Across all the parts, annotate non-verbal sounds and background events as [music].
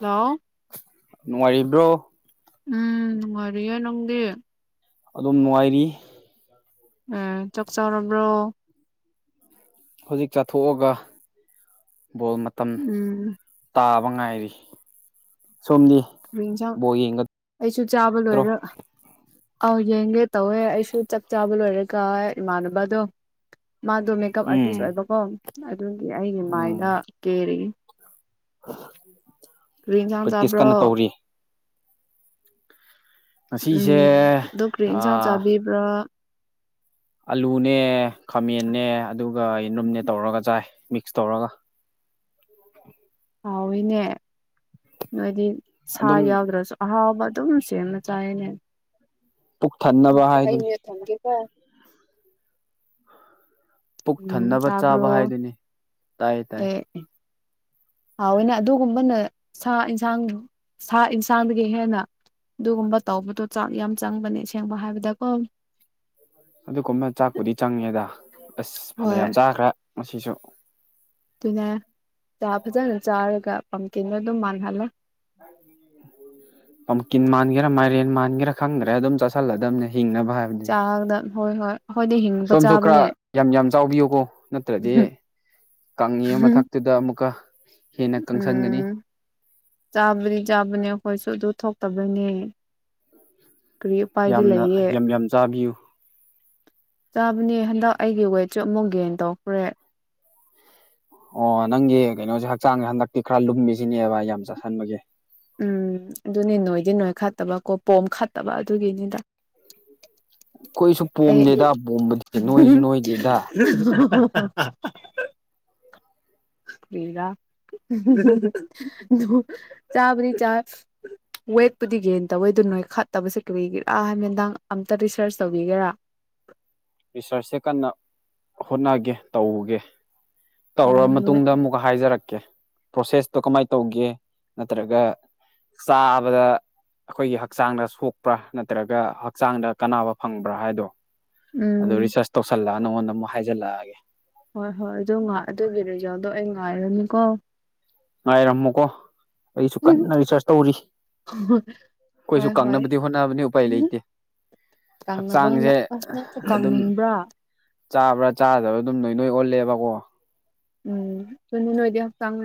hello ꯅꯨꯡꯉꯥꯏꯔꯤꯕ꯭ꯔꯣ ꯎꯝ ꯅꯨꯡꯉꯥꯏꯔꯤꯌꯦ ꯅꯪꯗꯤ ꯑꯗꯨꯝ ꯅꯨꯡꯉꯥꯏꯔꯤ ꯑꯦ ꯆꯥꯛ ꯆꯥꯎꯔꯕ꯭ꯔꯣ ꯍꯧꯖꯤꯛ ꯆꯥꯊꯣꯛꯑꯒ ꯕꯣꯜ ꯃꯇꯝ ꯎꯝ ꯇꯥꯕ ꯃꯕꯉꯥꯏꯔꯤ ꯊꯣꯔꯛ ꯏꯟꯁꯥꯡ ꯑꯩꯁꯨ ꯆꯥꯕ ꯂꯣꯏꯔ ꯑꯧ ꯌꯦꯡꯒꯦ ꯇꯧꯋꯦ ꯑꯩꯁꯨ ꯆꯥꯛ ꯆꯥꯕ ꯂꯣꯏꯔꯒ ꯏꯃꯥꯟꯅꯕꯗꯣ ꯃꯥꯗꯣ ꯃꯦꯀꯞ ꯑꯥꯔꯇꯤꯁ ꯎꯝ ꯑꯣꯏꯕꯀꯣ ꯑꯗꯨꯒꯤ ꯑꯩꯒꯤ ꯃꯥꯏꯗ ꯀꯦꯔ ꯀꯔꯤ ꯏꯟꯁꯥꯡ ꯕ꯭ꯔꯤꯇꯤꯁ ꯆꯥꯕ꯭ꯔꯣ ꯀꯟꯅ ꯀꯧꯔꯤ ꯎꯝ ꯉꯁꯤꯁꯦ ꯗꯣꯛꯇꯔꯤ ꯏꯟꯁꯥꯡ ꯑꯥ ꯆꯥꯕꯤꯕ꯭ꯔꯥ ꯑꯂꯨꯅꯦ ꯈꯥꯃꯦꯟꯦ ꯑꯗꯨ ꯑꯗꯨꯒ ꯑꯗꯨꯨꯝꯅꯦ ꯇꯧꯔꯒ ꯆꯥꯏ ꯃꯤꯛꯁ ꯇꯧꯔꯒ ꯍꯥꯎꯋꯤꯅꯦ ꯍꯥꯏꯗꯤ ꯁꯥ ꯑꯗꯨꯝ ꯌꯥꯎꯗ꯭ꯔꯁꯨ ꯑꯍꯥꯎꯕ ꯑꯗꯨ ꯁꯅ ꯆꯦꯅꯦ ꯄꯨꯛ ꯊꯟꯅꯕ ꯎ ꯑ ꯍꯥꯏꯗꯨꯅꯤ ꯊꯪꯒꯦꯕ ꯄꯨꯛ ꯎꯝ ꯊꯟꯅꯕ ꯆꯥꯕ ꯇꯥꯕ꯭ꯔꯣ ꯍꯥꯏꯗꯨꯅꯤ ꯇꯥꯏ ꯇꯥꯏ ꯣꯏꯅ ꯑꯗꯨꯒꯨꯝꯕꯅ ꯁꯥ ꯌꯦꯟꯁꯥꯡ ꯁꯥ ꯌꯦꯟꯁꯥꯡꯗꯒꯤ ꯍꯦꯟꯅ ꯑꯗꯨꯒꯨꯝꯕ ꯇꯧꯕꯗꯣ ꯆꯥꯛ ꯌꯥꯝ ꯆꯪꯕꯅꯦ ꯑꯁꯦꯡꯕ ꯍꯥꯏꯕꯗꯀꯣ ꯑꯗꯨꯒꯨꯝꯕ ꯆꯥꯛꯄꯨꯗꯤ ꯆꯪꯉꯦꯗ ꯑꯁ ꯍꯣꯏ ꯐꯅꯌꯥꯝ ꯆꯥꯈ꯭ꯔꯦ ꯉꯁꯤꯁꯨ ꯑꯗꯨꯅꯦ ꯆꯥ ꯐꯖꯅ ꯆꯥꯔꯒ ꯄꯝꯀꯤꯟꯗ ꯑꯗꯨꯝ ꯃꯥꯟꯅꯍꯜꯂ ꯄꯝꯀꯤꯟ ꯃꯥꯟꯒꯦꯔ ꯃꯥꯏꯔꯦꯟ ꯃꯥꯟꯒꯦꯔꯥ ꯈꯪꯗ꯭ꯔꯦ ꯑꯗꯨꯝ ꯆꯥꯁꯤꯜꯂꯗꯕꯅꯦ ꯍꯤꯡꯅꯕ ꯍꯥꯏꯕꯗꯨꯅꯤ ꯆꯥꯗ ꯍꯣꯏ ꯍꯣꯏ ꯑꯩꯈꯣꯏꯗꯤ ꯍꯤꯡꯕ ꯁꯣꯝꯁꯨ ꯈꯔ ꯆꯥꯕꯅꯦ ꯌꯥꯝ ꯌꯥꯝ ꯆꯥꯎꯕꯤꯌꯨꯀꯣ ꯅꯠꯇ꯭ꯔꯗꯤ ꯀꯪꯉꯤ ꯃꯊꯛꯇꯨꯗ ꯑꯃꯨꯛꯀ ꯍꯦꯟꯅ ꯀꯪꯁꯟꯒꯅꯤ ꯎꯝ ꯆꯥꯕꯔꯤ ꯆꯥꯕꯅꯤꯈꯣꯏꯁꯨ ꯊꯣꯛꯇꯕꯩꯅꯦ ꯀꯔꯤ ꯎꯄꯥꯏꯗꯤ ꯌꯥꯝꯅ ꯂꯩꯌꯦ ꯌꯥꯝ ꯌꯥꯝ ꯆꯥꯕꯤꯌꯨ ꯆꯥꯕꯅꯦ ꯍꯟꯗꯛ ꯑꯩꯒꯤ ꯋꯦꯠꯁꯨ ꯑꯃꯨꯛ ꯒꯦꯟ ꯇꯧꯈ꯭ꯔꯦ ꯑꯣ ꯅꯪꯒꯤ ꯀꯩꯅꯣꯁꯦ ꯍꯛꯆꯥꯡꯁꯦ ꯍꯟꯗꯛꯇꯤ ꯈꯔ ꯂꯨꯝꯃꯤꯁꯤꯅꯦꯕ ꯑꯩ ꯌꯥꯝ ꯆꯥꯁꯤꯟꯕꯒꯤ ꯎꯝ ꯑꯗꯨꯅꯤ ꯅꯣꯏꯗꯤ ꯅꯣꯏ ꯈꯠꯇꯕꯀꯣ ꯄꯣꯝ ꯈꯠꯇꯕ ꯑꯗꯨꯒꯤꯅꯤꯗ ꯑꯩꯈꯣꯏꯁꯨ ꯑꯩ [inaudible] ꯄꯣꯝꯗꯦꯗ ꯄꯣꯝꯕꯗꯤ ꯅꯣꯏꯁꯨ ꯅꯣꯏꯗꯦꯗ ꯄꯒ ꯆꯥꯕꯅꯤ ꯆꯥ ꯋꯦꯠꯄꯨꯗꯤ ꯒꯦꯟ ꯇꯧꯋꯦꯗ ꯅꯣꯏ ꯈꯠꯇꯕꯁꯦ ꯀꯩꯒꯦꯔꯥ ꯍꯥꯏꯃꯦꯟꯗꯥꯡ ꯑꯝꯇ ꯔꯤꯁꯔꯁ ꯇꯧꯕꯤꯒꯦꯔꯥ ꯔꯤꯁꯔꯁꯁꯦ ꯀꯟꯅ ꯍꯣꯠꯅꯒꯦ ꯇꯧꯒꯦ ꯇꯧꯔ ꯎꯝ ꯍꯣꯏ ꯃꯇꯨꯡꯗ ꯑꯃꯨꯛꯀ ꯍꯥꯏꯖꯔꯛꯀꯦ ꯄ꯭ꯔꯣꯁꯦꯁꯇꯣ ꯀꯃꯥꯏꯅ ꯇꯧꯒꯦ ꯅꯠꯇ꯭ꯔꯒ ꯆꯥꯕꯗ ꯑꯩꯈꯣꯏꯒꯤ ꯍꯛꯆꯥꯡꯗ ꯁꯣꯛꯄ꯭ꯔꯥ ꯅꯠꯇ꯭ꯔꯒ ꯍꯛꯆꯥꯡꯗ ꯀꯥꯅꯕ ꯐꯪꯕ꯭ꯔꯥ ꯍꯥꯏꯗꯣ ꯑꯗꯨ ꯎꯝ ꯔꯤꯁꯔꯁ ꯇꯧꯁꯜꯂꯛꯑꯒ ꯅꯪꯉꯣꯟꯗ ꯑꯃꯨꯛ ꯍꯥꯏꯖꯜꯂꯛꯑꯒꯦ ꯍꯣꯏ ꯍꯣꯏ ꯑꯗꯨ ꯑꯗꯨꯒꯤ ꯔꯤꯖꯜꯗꯣ ꯑꯩ ꯉꯥꯏꯔꯅꯤꯀꯣ ꯉꯥꯏꯔꯝꯃꯨꯀꯣ ꯑꯩꯁꯨ ꯀꯟꯅ ꯔꯤꯁꯥꯔꯁ ꯇꯧꯔꯤ ꯀꯈꯣꯏꯁꯨ ꯍꯣꯏ ꯍꯣꯏ ꯀꯪꯅꯕꯗꯤ ꯍꯣꯠꯅꯕꯅꯤ ꯎꯄꯥꯏ ꯂꯩꯇꯦ ꯀꯪꯅꯕ ꯍꯣꯠꯅ ꯍꯛꯆꯥꯡꯁꯦ ꯑꯁ ꯅꯪꯁꯨ ꯑꯗꯨꯝ ꯀꯪꯅꯤꯡꯕ꯭ꯔꯥ ꯆꯥꯕ꯭ꯔꯥ ꯆꯥꯗꯕ꯭ꯔ ꯑꯗꯨꯝ ꯅꯣꯏ ꯅꯣꯏ ꯑꯣꯜꯂꯦꯕꯀꯣ ꯎꯝ ꯑꯗꯨꯅ ꯅꯣꯏꯗꯤ ꯍꯛꯆꯥꯡ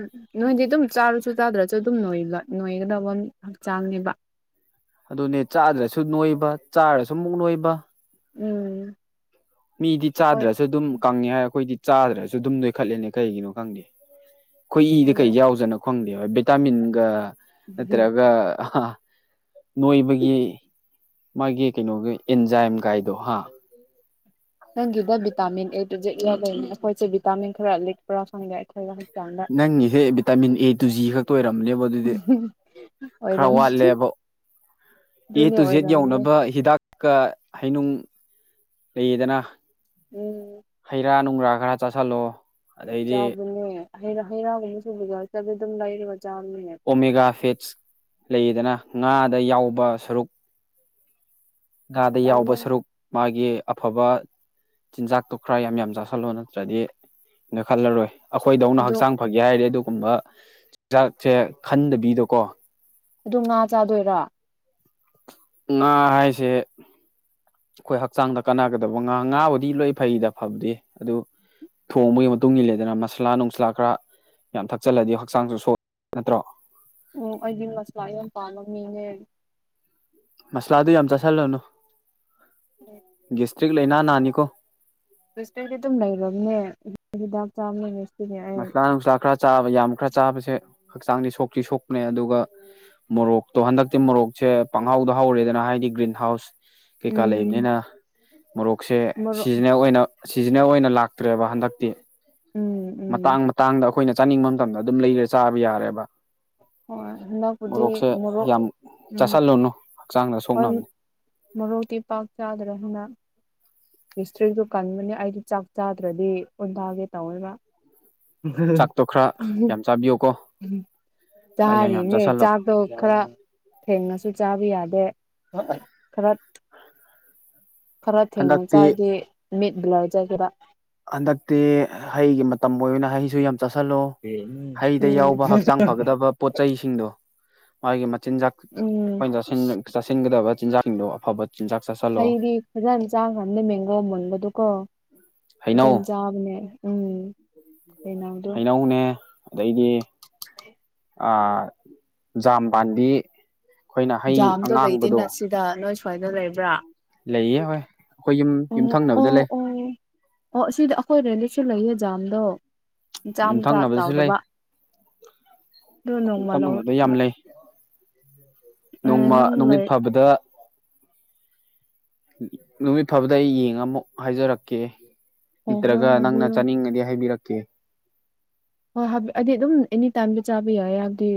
ꯅꯣꯏꯗꯤ ꯑꯗꯨꯝ ꯆꯥꯔꯨꯁꯨ ꯆꯥꯗ꯭ꯔꯁꯨ ꯑꯗꯨꯝ ꯅꯣꯏꯒꯗꯕ ꯍꯛꯆꯥꯡꯅꯦꯕ ꯑꯗꯨꯅꯦ ꯆꯥꯗ꯭ꯔꯁꯨ ꯅꯣꯏꯕ ꯆꯥꯔꯁꯨ ꯃꯨꯛ ꯅꯣꯏꯕ ꯎꯝ ꯃꯤꯗꯤ ꯑꯩꯈꯣꯏ ꯆꯥꯗ꯭ꯔꯁꯨ ꯑꯗꯨꯝ ꯀꯪꯉꯤ ꯍꯥꯏ ꯑꯩꯈꯣꯏꯗꯤ ꯆꯥꯗ꯭ꯔꯁꯨ ꯑꯗꯨꯝ ꯂꯣꯏꯈꯠꯂꯦꯅꯦ ꯀꯩꯒꯤꯅꯣ ꯈꯪꯗꯦ ꯑꯩꯈꯣꯏ ꯏꯗꯤ ꯈꯪꯗꯦ ꯀꯩ ꯌꯥꯎꯖꯅꯣ ꯈꯪꯗꯦꯕ ꯚꯤꯇꯥꯃꯤꯟꯒ ꯅꯠꯇ꯭ꯔꯒ ꯅꯣꯏꯕꯒꯤ ꯃꯥꯒꯤ ꯀꯩꯅꯣꯒꯤ ꯑꯦꯟꯖꯥꯏꯝ ꯀꯥꯏꯗꯣ ꯍꯥ ꯅꯪꯒꯤꯗ ꯚꯤꯇꯥꯃꯤꯟ ꯑꯦ ꯑꯩꯈꯣꯏꯁꯦ ꯚꯤꯇꯥꯃꯤꯟ ꯈꯔ ꯂꯤꯛ ꯄꯨꯔꯥ ꯐꯪꯒꯦ ꯑꯩꯈꯣꯏ ꯅꯪꯒꯤꯁꯦ ꯚꯤꯇꯥꯃꯤꯟ ꯑꯦ ꯇꯨ ꯖꯤ ꯈꯛꯇ ꯑꯣꯏꯔꯝꯅꯦꯕ ꯑꯗꯨꯗꯤ ꯈꯔ ꯑꯣꯏꯔꯝ ꯋꯥꯠꯂꯦꯕ ꯑꯦ ꯑꯗꯨꯅꯦ ꯇꯨ ꯖꯦꯠ ꯑꯣꯏꯔꯝꯅꯦ ꯌꯧꯅꯕ ꯍꯤꯗꯥꯛ ꯀ ꯍꯥꯏꯩꯅꯨꯡ ꯂꯩꯌꯦꯗꯅ ꯎꯝ ꯣꯡ ꯔꯥꯒ꯭ꯔ ꯆꯂꯣ ꯆꯥꯕꯅꯦ ꯍꯩ ꯔꯥꯒꯨꯝꯕ ꯁꯨꯕꯗ ꯆꯂ ꯑꯗꯨꯝ ꯂꯩ ꯑꯣꯃꯦꯒꯥ ꯐꯤꯠꯁ ꯂꯩꯗꯅ ꯉꯥꯗ ꯌꯥꯎꯕ ꯁꯔꯨꯛ ꯉꯥꯗ ꯌꯥꯎꯕ ꯇꯜꯂꯦ ꯁꯔꯨꯛ ꯃꯥꯒꯤ ꯑꯐꯕ ꯆꯤꯟꯖꯥꯛꯇꯣ ꯈꯔ ꯌꯥꯝ ꯌꯥꯝ ꯆꯥꯥꯁꯜꯂꯣ ꯅꯠꯇ꯭ꯔꯗꯤꯣ ꯈꯜꯂꯔꯣꯏ ꯑꯩꯈꯣꯏꯗꯧꯅ ꯑꯗꯨ ꯍꯛꯆꯥꯡ ꯐꯒꯦ ꯍꯥꯏꯔꯗꯤ ꯑꯗꯨꯒꯨꯝꯕ ꯆꯤꯟꯖꯥꯛꯁꯦ ꯈꯟꯗꯕꯤꯗꯣꯀꯣ ꯑꯗꯨ ꯉꯥ ꯆꯥꯗꯣꯏꯔꯥ ꯉꯥ ꯍꯥꯏꯁꯦ ꯑꯩꯈꯣꯏ ꯍꯛꯆꯥꯡꯗ ꯀꯥꯟꯅꯒꯗꯕ ꯉꯥ ꯉꯥꯕꯨꯗꯤ ꯂꯣꯏ ꯐꯩꯗ ꯐꯕꯗꯤ ꯑꯗꯨ ꯊꯣꯡꯕꯒꯤ ꯃꯇꯨꯡ ꯏꯜꯂꯦꯗꯅ ꯃꯁꯥꯂꯥ ꯅꯨꯡꯁꯥꯂꯥ ꯈꯔ ꯌꯥꯝ ꯊꯛꯆꯜꯂꯗꯤ ꯍꯛꯆꯥꯡꯁꯨ ꯁꯣꯏ ꯅꯠꯇ꯭ꯔꯣ ꯑꯣ ꯑꯩꯗꯤ ꯃꯁꯂꯅ ꯄꯥ ꯂꯣ ꯃꯤꯅꯦ ꯃꯁꯂꯥꯗꯨ ꯌꯥꯝ ꯆꯥꯁꯤꯜꯂꯅꯨ ꯎꯝ ꯏꯁꯇ꯭ꯔꯤꯛ ꯂꯥꯏꯅꯥ ꯅꯥꯅꯤꯀꯣ ꯁꯇꯗꯤ ꯑꯗꯨꯝ ꯂꯩꯔꯕꯅꯦ ꯍꯤꯗꯥꯛ ꯆꯥ ꯃꯁꯥ ꯅꯨꯡꯁꯥ ꯈꯔ ꯆꯥꯕ ꯌꯥꯝ ꯈꯔ ꯆꯥꯕꯁꯦ ꯍꯛꯆꯥꯡꯗꯤ ꯁꯣꯛꯇꯤ ꯁꯣꯛꯄꯅꯦ ꯑꯗꯨꯒ ꯃꯣꯔꯣꯛꯇꯣ ꯍꯟꯗꯛꯇꯤ ꯃꯣꯔꯣꯛꯁꯦ ꯄꯪꯍꯥꯎꯗ ꯍꯧꯔꯦꯗꯅ ꯍꯥꯏ ꯍꯥꯏꯗꯤ ꯒ꯭ꯔꯤꯟ ꯍꯥꯎꯁ ꯀꯩꯀꯥ ꯎꯝ ꯂꯩꯕꯅꯤꯅ ꯃꯣꯔꯣꯛꯁꯦ ꯃꯣꯔꯣꯛ ꯁꯤꯖꯤꯅꯦꯦꯜ ꯑꯣꯏꯅ ꯁꯤꯖꯤꯅꯦꯜ ꯑꯣꯏꯅ ꯂꯥꯛꯇ꯭ꯔꯦꯕ ꯍꯟꯗꯛꯇꯤ ꯎꯝ ꯎꯝ ꯃꯇꯥꯡ ꯃꯇꯥꯡꯗ ꯑꯩꯈꯣꯏꯅ ꯆꯥꯅꯤꯡꯕ ꯃꯇꯝꯗ ꯑꯗꯨꯝ ꯂꯩꯈ꯭ꯔꯦ ꯆꯥꯕ ꯌꯥꯔꯦꯕ ꯍ ꯍ ꯈꯨꯗꯤ ꯃꯔꯣꯛ ꯆꯥꯥꯁꯜꯂꯨꯅꯨ ꯍꯛꯆꯥꯡꯗ ꯁꯣꯛꯅꯕꯅꯤ ꯃꯔꯣꯛꯇꯤ ꯄꯥꯛ ꯆꯥꯗ꯭ꯔꯦ ꯍꯥꯏꯅ ꯍꯤꯁꯇ꯭ꯔꯤꯗꯨ ꯀꯟꯕꯅꯤ ꯑꯩꯗꯤ ꯆꯥꯛ ꯆꯥꯗ꯭ꯔꯗꯤ ꯑꯣꯟꯗꯥꯒꯦ ꯇꯧꯕ ꯆꯥꯛꯇꯣ ꯈꯔ ꯌꯥꯝ ꯆꯥꯕꯤꯌꯨꯀꯣ ꯎꯝ ꯈꯔ ꯌꯥꯝ ꯌꯥꯝ ꯆꯥꯔꯤꯅꯦ ꯆꯥꯁꯤꯜꯂꯣ ꯆꯥꯛꯗꯣ ꯈꯔ ꯊꯦꯡꯅꯁꯨ ꯆꯥꯕ ꯇ ꯌꯥꯗꯦ ꯈꯔ ꯈꯔ ꯊꯦꯡꯅ ꯍꯟꯗꯛꯇꯤ ꯆꯥꯔꯒꯦ ꯃꯤꯠ ꯕ ꯂꯧꯖꯈꯤꯕ ꯍꯟꯗꯛꯇꯤ ꯍꯩꯒꯤ ꯃꯇꯝ ꯑꯣꯏꯅ ꯍꯩꯁꯨ ꯌꯥꯝ ꯆꯠꯁꯤꯜꯂꯣ ꯍꯩꯗ ꯎꯝ ꯌꯥꯎꯕ ꯍꯛꯆꯥꯡ ꯐꯒꯗꯕ ꯄꯣꯠꯁꯤꯡꯗꯣ ꯃꯥꯒꯤ ꯆꯤꯟꯖꯥꯛ ꯎꯝ ꯑꯩꯈꯣꯏꯅ ꯆꯥꯁꯤꯟꯒꯗꯕ ꯆꯤꯟꯖꯥꯛꯁꯤꯡꯗꯣ ꯑꯐꯕ ꯆꯤꯟꯖꯥꯛ ꯆꯥꯁꯤꯜꯂꯣ ꯍꯩꯗꯤ ꯐꯖꯅ ꯆꯥꯡ ꯌꯥꯝꯅ ꯃꯦꯟꯒ ꯃꯟꯕꯗꯣꯀꯣ ꯍꯩꯅꯧ ꯆꯟꯖꯥꯕꯅꯦ ꯎꯝ ꯀꯩꯅꯣꯗꯣ ꯍꯩꯅꯧꯅꯦ ꯑꯗꯩꯗꯤ ꯑ ꯖꯝꯕꯥꯟꯗꯤ ꯖꯥꯝꯗꯣ ꯂꯩꯇꯦ ꯅ ꯁꯤꯗ ꯅꯣꯏ ꯁ꯭ꯋꯥꯏꯗ ꯂꯩꯕ꯭ꯔꯥ ꯂꯩꯌꯦ ꯍꯣꯏ ꯑꯩꯈꯣꯏ ꯌꯨꯝ ꯑꯣ ꯑꯣ ꯌꯨꯝꯊꯪꯅꯕꯗ ꯂꯩ ꯑꯣ ꯑꯣ ꯑꯁꯤꯗꯤ ꯑꯩꯈꯣꯏ ꯔꯦꯟꯗꯤꯛꯁꯨ ꯂꯩꯌꯦ ꯖꯥꯝꯗꯣꯆꯥ ꯃꯆꯥ ꯌꯨꯝꯊꯪꯅꯕꯗꯁꯨ ꯂꯩ ꯆꯥꯎꯗꯕ ꯑꯗꯨ ꯅꯣꯡꯃꯜ ꯂꯧ ꯌꯨꯝꯊꯪꯅꯕꯗ ꯌꯥꯝ ꯂꯩ ꯑꯦ ꯅꯣꯡꯃ ꯅꯪ ꯅꯨꯃꯤꯠ ꯂꯩ ꯐꯕꯗ ꯅꯨꯃꯤꯠ ꯐꯕꯗ ꯑꯩ ꯌꯦꯡꯉ ꯑꯃꯨꯛ ꯍꯥꯏꯖꯔꯛꯀꯦ ꯑꯣ ꯍꯣꯏ ꯅꯠꯇ꯭ꯔꯒ ꯅꯪꯅ ꯍꯥꯏꯕꯤꯌꯨ ꯆꯥꯅꯤꯡꯉꯗꯤ ꯍꯥꯏꯕꯤꯔꯛꯀꯦ ꯍꯣꯏ ꯍꯥꯏꯗꯤ ꯑꯗꯨꯝ ꯑꯦꯅꯤ ꯇꯥꯏꯝꯗ ꯆꯥꯕ ꯌꯥꯏ ꯌꯥꯗꯤ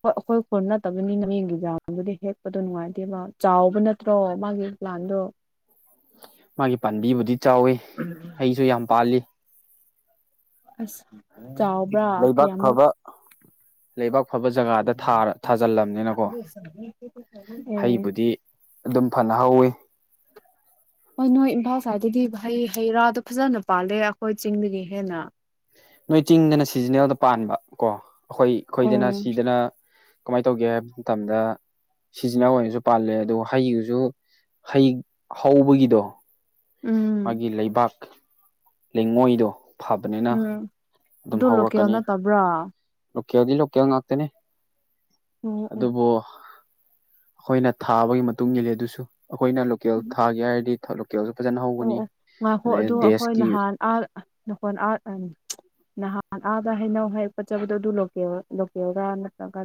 ꯍꯣꯏ ꯑꯩꯈꯣꯏ ꯈꯨꯣꯟ ꯅꯠꯇꯕꯅꯤꯅ ꯃꯤꯡꯒꯤꯖꯥꯗꯨꯗꯤ ꯍꯦꯛꯄꯗꯣ ꯅꯨꯡꯉꯥꯏꯇꯦꯕ ꯆꯥꯎꯕ ꯅꯠꯇ꯭ꯔꯣ ꯃꯥꯒꯤ ꯄ꯭ꯂꯥꯟꯗꯣ ꯃꯥꯒꯤ ꯄꯥꯝꯕꯤꯕꯨꯗꯤ ꯆꯥꯎꯋꯤ ꯑꯩꯁꯨ ꯌꯥꯝ ꯄꯥꯜꯂꯤ ꯑꯁ ꯆꯥꯎꯕ꯭ꯔꯥ ꯂꯩꯕꯥꯛ ꯀꯌꯥꯃꯨꯛ ꯐꯕ ꯂꯩꯕꯥꯛ ꯐꯕ ꯖꯒꯥꯗ ꯊꯥꯖꯤꯜꯂꯝꯕꯅꯤꯅꯀꯣ ꯑꯦ ꯍꯩꯕꯨꯗꯤ ꯑꯗꯨꯝ ꯐꯅ ꯍꯧꯋꯤ ꯍꯣꯏ ꯅꯣꯏ ꯏꯝꯐꯥꯜ ꯁꯥꯏꯗꯠꯇꯗꯤꯩ ꯍꯩ ꯔꯥꯗꯣ ꯐꯖꯅ ꯄꯥꯜꯂꯦ ꯑꯩꯈꯣꯏ ꯆꯤꯡꯗꯒꯤ ꯍꯦꯟꯅ ꯅꯣꯏ ꯆꯤꯡꯗꯅ ꯁꯤꯖꯤꯅꯦꯜꯗ ꯄꯥꯟꯕ ꯀꯣ ꯑꯩꯈꯣꯏ ꯈꯈꯣꯏꯗꯅ ꯎꯝ ꯁꯤꯗꯅ ꯀꯃꯥꯏꯅ ꯇꯧꯒꯦ ꯍꯥꯏꯕ ꯃꯇꯝꯗ ꯁꯤꯖꯤꯟꯅ ꯑꯣꯏꯅꯁꯨ ꯄꯥꯜꯂꯦ ꯑꯗꯨꯒ ꯍꯩꯗꯨꯁꯨ ꯍꯩ ꯍꯧꯕꯒꯤꯗꯣ ꯎꯝ ꯃꯥꯒꯤ ꯂꯩꯕꯥꯛ ꯂꯩꯉꯣꯏꯗꯣ ꯐꯕꯅꯤꯅ ꯎꯝ ꯑꯗꯨꯝ ꯑꯗꯨ ꯂꯣꯀꯦꯜ ꯍꯧꯔꯛꯀꯅꯤ ꯅꯠꯇꯕ꯭ꯔꯥ ꯑꯣ ꯂꯨꯀꯎꯖꯤ ꯂꯣꯀꯌꯥ ꯉꯅꯥꯠꯇꯅꯦ ꯑꯣ ꯑꯗꯨꯕꯨ ꯑꯩꯈꯣꯏꯅ ꯊꯥꯕꯒꯤ ꯃꯇꯨꯡ ꯏꯜꯂꯤ ꯑꯗꯨꯁꯨ ꯑꯩꯈꯣꯏꯅ ꯂꯣꯀꯦꯜ ꯊꯥꯒꯦ ꯍꯥꯏꯔꯗꯤ ꯂꯣꯀꯦꯜꯁꯨ ꯐꯖꯅ ꯑꯣ ꯍꯧꯒꯅꯤ ꯑꯣ ꯉꯥꯏꯈꯣ ꯑꯗꯩ ꯑꯣ ꯑꯩꯈꯣꯏ ꯗꯦꯁꯀꯤ ꯅꯍꯥꯟ ꯑꯥ ꯅꯈꯣꯟ ꯑꯥꯔꯑꯅꯤ ꯅꯍꯥꯟ ꯑꯥꯗ ꯍꯩꯅꯧ ꯍꯥꯏꯔꯛꯄꯠꯆꯕꯗꯣ ꯑꯗꯨ ꯂꯣꯦꯜ ꯂꯣꯀꯦꯜꯒ ꯅꯠꯇ꯭ꯔꯒ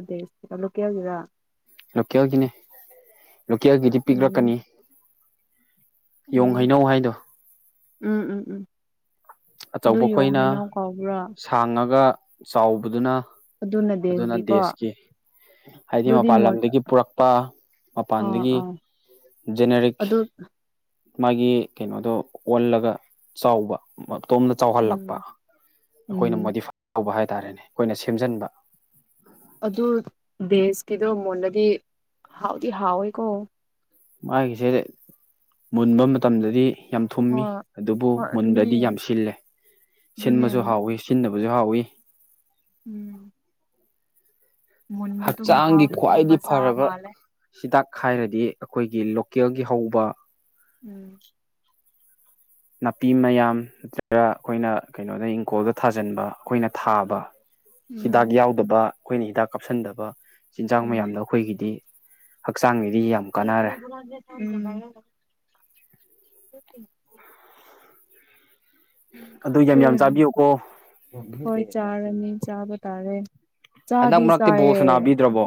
ꯂꯣꯀꯦꯜꯔ ꯑ ꯂꯣꯀꯦꯜꯒꯤꯅꯦ ꯂꯣꯀꯦꯜꯒꯤꯗꯤ ꯎꯝ ꯄꯤꯛꯂꯛꯀꯅꯤ ꯌꯣꯡ ꯎꯝ ꯍꯩꯅꯧ ꯍꯥꯏꯗꯣ ꯎꯝ ꯎꯝ ꯎꯝ ꯑꯗꯨ ꯑꯆꯧꯕ ꯌꯣꯡ ꯑꯩꯈꯣꯏꯅ ꯍꯩꯅꯧ ꯀꯧꯕ꯭ꯔꯥ ꯁꯥꯡꯉꯒ ꯆꯥꯎꯕꯗꯨꯅ ꯑꯗꯨꯅ ꯗꯦꯁꯀꯤ ꯍꯥꯏꯗꯤ ꯑꯗꯨꯗꯤ ꯃꯄꯥꯟ ꯃꯣꯟ ꯂꯝꯗꯒꯤ ꯄꯨꯔꯛꯄ ꯑꯥ ꯃꯄꯥꯟꯗꯒꯤ ꯑꯥ ꯖꯦꯅꯦꯔꯤꯛ ꯑꯗꯨ ꯃꯥꯒꯤ ꯀꯩꯅꯣꯗꯣ ꯑꯣꯜꯂꯒ ꯆꯥꯎꯕ ꯃ ꯇꯣꯝꯗ ꯎꯝ ꯆꯥꯎꯍꯜꯂꯛꯄ ꯑꯩꯈꯣꯏꯅ ꯎꯝ ꯃꯣꯗꯤꯐꯥꯏ ꯇꯧꯕ ꯍꯥꯏꯇꯥꯔꯦ ꯍꯥꯏꯇꯥꯔꯦꯅꯦ ꯑꯩꯈꯣꯏꯅ ꯁꯦꯝꯖꯤꯟꯕ ꯑꯗꯨ ꯗꯦꯁꯀꯤꯗꯣ ꯃꯨꯣꯟꯟꯅꯗꯤ ꯍꯥꯎꯗꯤ ꯍꯥꯎꯋꯦꯀꯣ ꯃꯥꯒꯤꯁꯦ ꯃꯨꯟꯕ ꯃꯇꯝꯗꯗꯤ ꯌꯥꯝ ꯊꯨꯝꯃꯤ ꯍꯣꯏ ꯑꯗꯨꯕꯨ ꯍꯣꯏ ꯑꯗꯨꯅꯦ ꯃꯨꯟꯗꯗꯤ ꯌꯥꯝ ꯁꯤꯜꯂꯦ ꯑꯗꯨꯅꯦ ꯁꯤꯟꯕꯁꯨ ꯍꯥꯎꯋꯤ ꯁꯤꯟꯅꯕ ꯍꯧꯁꯨꯛ ꯍꯥꯎꯋꯤ ꯎꯝ ꯃꯨꯟꯕꯗꯨꯝ ꯍꯛꯆꯥꯡꯒꯤ ꯍꯥꯎꯗꯤ ꯃꯖꯥ ꯃꯥꯂꯦ ꯈꯥꯏꯔꯗꯤ ꯑꯩꯈꯣꯏꯒꯤ ꯂꯣꯀꯦꯜꯒꯤ ꯍꯧꯕ ꯎꯝ ꯅꯥꯄꯤ ꯃꯌꯥꯝ ꯅꯠꯇ꯭ꯔꯒ ꯑꯩꯈꯣꯏꯅ ꯀꯩꯅꯣꯗ ꯏꯪꯈꯣꯜꯗ ꯊꯥꯖꯤꯟꯕ ꯑꯩꯈꯣꯏꯅ ꯊꯥꯕ ꯎꯝ ꯍꯤꯗꯥꯛ ꯌꯥꯎꯗꯕ ꯑꯩꯈꯣꯏꯅ ꯍꯤꯗꯥꯛ ꯀꯥꯞꯁꯤꯟꯗꯕ ꯆꯤꯟꯖꯥꯛ ꯎꯝ ꯃꯌꯥꯝꯗ ꯑꯩꯈꯣꯏꯒꯤꯗꯤ ꯍꯛꯆꯥꯡꯒꯤꯗꯤ ꯌꯥꯝ ꯑꯩꯒꯤ ꯀꯥꯟꯅꯔꯦ ꯊꯃꯣꯏ ꯍꯨꯔꯥꯟꯒꯦ [inaudible] ꯑꯗꯨ ꯌꯥꯝ ꯈꯦ ꯌꯥꯝ ꯆꯥꯕꯤꯌꯨꯀꯣ ꯍꯣꯏ ꯆꯥꯔꯅꯤ ꯆꯥꯕ ꯇꯥꯔꯦ ꯍꯟꯗꯛ ꯆꯥꯗꯤ ꯃꯔꯛꯇꯤ ꯕꯣꯜ ꯆꯥꯏꯌꯦ ꯁꯅꯥꯕꯤꯗ꯭ꯔꯕꯣ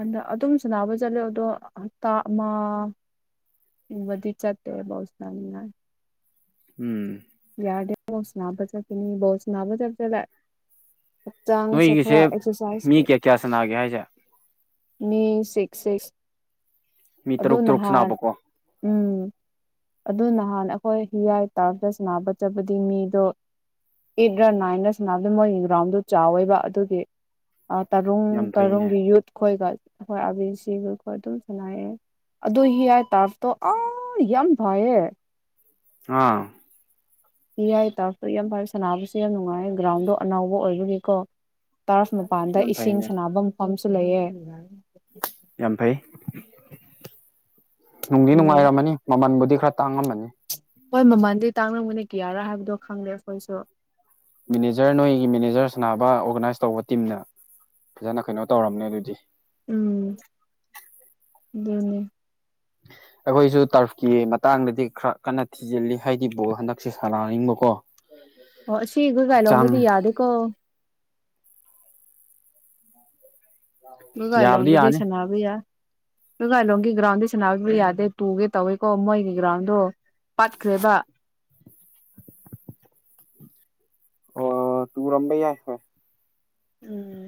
ꯑꯟꯗ ꯑꯗꯨꯝ ꯁꯅꯕ ꯆꯂꯦꯗꯣ ꯇ ꯑꯃ ꯤ ꯆꯠꯇ ꯥꯎ ꯁꯅꯤ ꯎꯝ ꯌꯥꯔꯗ ꯁꯅꯥꯕ ꯆ ꯀꯅꯤ ꯣ ꯁꯅꯥꯕ ꯆꯔ ꯆꯗ ꯍꯛꯆꯥꯡ ꯁꯦꯈꯔꯥ ꯅꯣꯏꯒꯤꯁꯦ ꯃꯤ ꯑꯦꯛꯁꯔꯁꯥꯏꯖꯀꯤ ꯀꯌꯥ ꯀꯌꯥ ꯁꯅꯥꯒꯦ ꯍꯥꯏꯁꯦ ꯃꯤ ꯁꯤꯛꯁ ꯁꯤꯛꯁ ꯃꯤ ꯑꯗꯨ ꯇꯔꯨꯛ ꯇꯔꯨꯛ ꯅꯍꯥꯟ ꯁꯅꯥꯕꯀꯣ ꯎꯝ ꯑꯗꯨ ꯅꯍꯥꯟ ꯑꯩꯈꯣꯏ ꯍꯤꯌꯥꯏ ꯇꯥꯗ ꯅꯥꯕ ꯆꯕꯗꯤ ꯃꯤꯗꯣ ꯑꯩꯠ ꯔ ꯅꯥꯏꯟꯗ ꯁꯥꯟꯅꯕꯗ ꯃꯣꯏꯒꯤ ꯒ꯭ꯔꯥꯎꯟꯗꯨ ꯆꯥꯎꯋꯦꯕ ꯑꯗꯨꯒꯤ ꯇꯔꯨꯡ ꯌꯥꯝ ꯐꯩꯅꯦ ꯇꯔꯨꯡꯒꯤ ꯌꯨꯠ ꯈꯣꯏꯒ ꯍꯣꯏ ꯑꯥꯕꯤꯁꯤꯈꯣꯏꯈꯣꯏ ꯑꯗꯨꯝ ꯁꯅꯥꯏꯔꯦ ꯑꯗꯨ ꯍ ꯌꯥꯏ ꯇꯥꯔꯕꯇꯣ ꯑꯥ ꯌꯥꯝ ꯌꯦ ꯑꯥ ꯏꯔꯏ ꯇꯥꯁꯨ ꯌꯥꯝ ꯐꯔꯦ ꯁꯥꯟꯅꯕꯁꯨ ꯌꯥꯝ ꯅꯨꯡꯉꯥꯏ ꯒ꯭ꯔꯥꯎꯟꯗꯣ ꯑꯅꯥꯎꯕ ꯑꯣꯏꯕꯒꯤꯀꯣ ꯇꯔꯐ ꯃꯄꯥꯟꯗ ꯌꯥꯝ ꯏꯁꯤꯡ ꯐꯩꯅꯦ ꯁꯥꯟꯅꯕ ꯃꯐꯝꯁꯨ ꯂꯩꯑ ꯌꯥꯝ ꯐꯩ ꯅꯨꯡꯗꯤ ꯎꯝ ꯅꯨꯡꯉꯥꯏꯔꯝꯃꯅꯤ ꯃꯃꯜꯕꯨꯗꯤ ꯈꯔ ꯇꯥꯡꯉꯝꯕꯅꯤ ꯍꯣꯏ ꯃꯃꯥꯟꯗꯤ ꯇꯥꯡꯅꯉꯅ ꯀꯤꯌꯥꯔꯥ ꯍꯥꯏꯕꯗꯣ ꯈꯪꯂꯗꯦ ꯑꯩꯈꯣꯏꯁꯨ ꯃꯦꯅꯦꯖꯔ ꯅꯣꯏꯒꯤ ꯃꯦꯅꯦꯖꯔ ꯁꯥꯟꯅꯕ ꯑꯣꯔꯒꯅꯥꯏꯁ ꯇꯧꯕ ꯇꯤꯝꯅ ꯐꯖꯅ ꯀꯩꯅꯣ ꯇꯧꯔꯝꯅꯦ ꯑꯗꯨꯗꯤ ꯎꯝ ꯑꯗꯨꯅꯦ [inaudible] ꯑꯩꯈꯣꯏꯁꯨ ꯇꯔꯐꯀꯤ ꯃꯇꯥꯡꯗꯗꯤ ꯈꯔ ꯀꯟꯅ ꯊꯤꯖꯤꯜꯂꯤ ꯍꯥꯏꯗꯤ ꯕꯣꯜ ꯍꯟꯗꯛꯁꯦ ꯁꯥꯔꯅꯤꯡꯕꯀꯣ ꯑꯣ ꯁꯤꯈꯒ ꯂ ꯑꯣꯅꯗꯤ ꯌꯥꯗ ꯀꯣ ꯃꯒꯥꯏ ꯌꯥꯕꯗꯤ ꯂꯣꯗꯗꯤ ꯌꯥꯅꯤ ꯁꯅꯥꯕ ꯌꯥ ꯀꯂꯣꯒꯤ ꯒ꯭ꯔꯥꯎꯟꯗꯤ ꯁꯥꯟꯅꯕꯤꯕ ꯌꯥꯗꯦ ꯇꯨꯒꯦ ꯇꯧꯏꯤꯀꯣ ꯃꯣꯏꯒꯤ ꯒ꯭ꯔꯥꯎꯟꯗꯣ ꯄꯠꯈ꯭ꯔꯦꯕ [inaudible] ꯑꯣ ꯇꯨ ꯔꯝꯝꯕꯩ ꯌꯥꯏ ꯍꯣꯏ ꯎꯝ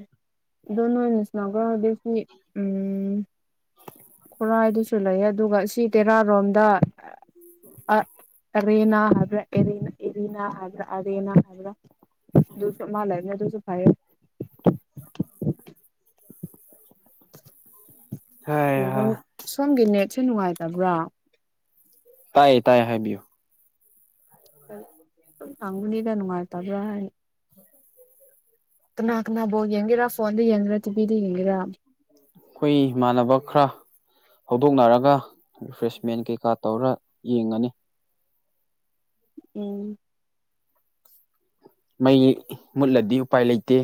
ꯑꯗꯨꯣ ꯅ ꯅꯁꯅꯥꯒ꯭ꯔꯗꯁꯅꯤ ꯎꯝ ꯈꯨꯔꯥꯏꯗꯨꯁꯨ ꯂꯩ ꯑꯗꯨꯒ ꯁꯤ ꯇꯦꯔꯥꯔꯣꯝꯗ ꯑꯔꯦꯅꯥ ꯍꯥꯏꯕ꯭ꯔꯥ ꯑꯦꯔꯤꯅꯥ ꯑꯦꯔꯤꯅꯥ ꯍꯥꯏꯕ꯭ꯔꯥ ꯑꯔꯦꯅꯥ ꯍꯥꯏꯕ꯭ꯔꯥ ꯁꯨ ꯃꯥ ꯂꯥꯏ ꯃ ꯇꯁꯨꯁꯨ ꯐꯥꯏꯔ ꯣ ꯁꯣꯝꯒꯤ ꯅꯦꯠꯁꯦ ꯅꯨꯡꯉꯥꯏꯇꯕ꯭ꯔꯥ ꯇꯥꯏꯌꯦ ꯇꯥꯏ ꯍꯥꯏꯕꯤꯌꯨ ꯇꯪꯅꯤꯗ ꯅꯨꯡꯉꯥꯏ ꯇꯕ꯭ꯔ ꯀꯅꯥ ꯀꯅꯥꯕꯧ ꯌꯦꯡꯒꯦꯔꯥ ꯐꯣꯟꯗ ꯌꯦꯡꯒꯦꯔꯥ ꯇꯤꯕꯤꯗ ꯌꯦꯡꯒꯦꯔꯥ ꯑꯩꯈꯣꯏ ꯏꯃꯥꯟꯅꯕ ꯈꯔ ꯍꯧꯗꯣꯛꯅꯔꯒ ꯔꯤꯐ꯭ꯔꯦꯁꯃꯦꯟ ꯀꯩꯀꯥ ꯇꯧꯔ ꯌꯦꯡꯒꯅꯤ ꯎꯝ ꯃꯩ ꯃꯨꯠꯂꯗꯤ ꯎꯄꯥꯏ ꯂꯩꯇꯦ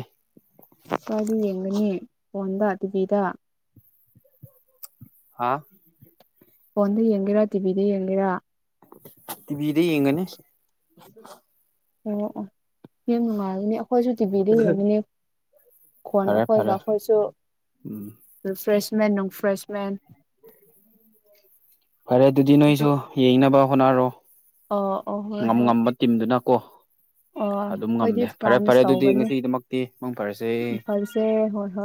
ꯀꯔꯤ ꯌꯦꯡꯒꯅꯤ ꯐꯣꯟꯗ ꯑꯗꯨꯕꯤꯗ ꯍꯥꯥ ꯐꯣꯟꯗ ꯌꯦꯡꯉꯔꯥ ꯇꯤꯕꯤꯗ ꯌꯦꯡꯉꯔꯥ ꯕꯤꯗ ꯌꯦꯡꯒꯅꯤ ꯑꯣ ꯑꯣ ꯌꯥꯝ ꯅꯨꯡꯉꯥꯏꯔꯕꯅꯦ ꯑꯩꯈꯣꯏꯁꯨ ꯇꯤꯚꯤꯗ ꯏꯔꯕꯅꯦ ꯈꯣꯟ ꯐꯔꯦ ꯑꯩꯈꯣꯏꯒ ꯐꯔꯦ ꯑꯩꯈꯣꯏꯁꯨ ꯎꯝ ꯔꯤꯐ꯭ꯔꯦꯁꯃꯦꯟ ꯅꯨꯡꯐ꯭ꯔꯦꯁꯃꯦꯟ ꯐꯔꯦ ꯑꯗꯨꯗꯤ ꯑꯗꯨ ꯅꯣꯏꯁꯨ ꯌꯦꯡꯅꯕ ꯍꯣꯠꯅꯔꯣ ꯑꯣ ꯑꯣ ꯍꯣꯏ ꯉꯝ ꯍꯣꯏ ꯉꯝꯕ ꯇꯤꯝꯗꯨꯅ ꯀꯣ ꯑꯣ ꯑꯗꯨꯝ ꯑꯩꯈꯣꯏꯗꯤ ꯉꯝꯃꯦ ꯐꯔꯦ ꯐꯔꯦ ꯐ꯭ꯔꯥꯟꯁ ꯑꯗꯨꯗꯤ ꯇꯧꯒꯅꯤ ꯉꯁꯤꯒꯤꯗꯃꯛꯇꯤ ꯃꯪ ꯐꯔꯁꯦ ꯏꯝꯐꯥꯜꯁꯦ ꯍꯣꯏ ꯍꯣꯏ